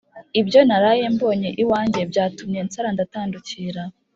ibyo naraye mbonye iwanjye byatumye nsara ndatandukira